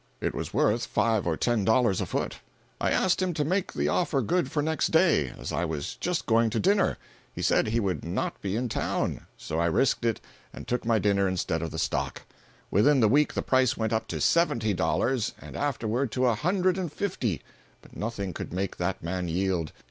It was worth five or ten dollars a foot. I asked him to make the offer good for next day, as I was just going to dinner. He said he would not be in town; so I risked it and took my dinner instead of the stock. Within the week the price went up to seventy dollars and afterward to a hundred and fifty, but nothing could make that man yield.